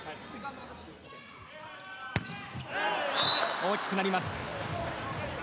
大きくなります。